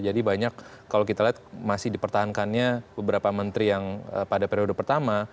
jadi banyak kalau kita lihat masih dipertahankannya beberapa menteri yang pada periode pertama